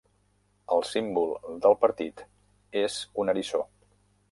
El símbol del partit és un eriçó.